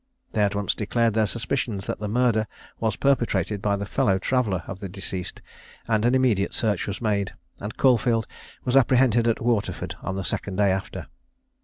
They at once declared their suspicions that the murder was perpetrated by the fellow traveller of the deceased; and an immediate search was made, and Caulfield was apprehended at Waterford on the second day after.